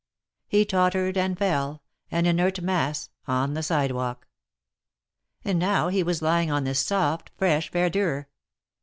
He tottered and fell — an inert mass — on the sidewalk. And now he was lying on this soft, fresh verdure.